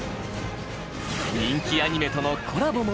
人気アニメとのコラボも。